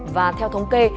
và theo thống kê